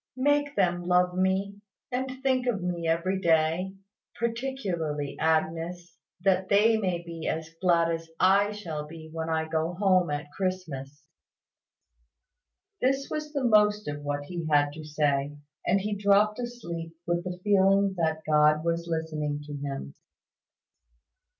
Make them love me, and think of me every day, particularly Agnes, that they may be as glad as I shall be when I go home at Christmas." This was the most of what he had to say; and he dropped asleep with the feeling that God was listening to him.